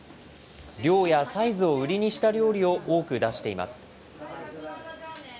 量やサイズを売りにした料理を多く出しています。